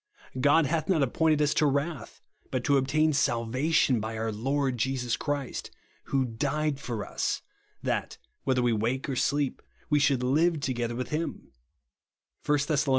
God hath not appointed us to wrath, but to obtain salvation by our Lord Jesus Christ, who died for us, that, whether we wake or sleep, we should live together with him," (1 Thess.